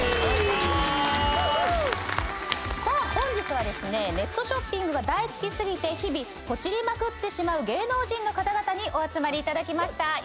本日はネットショッピングが大好き過ぎて日々ポチりまくってしまう芸能人の方々にお集まりいただきました。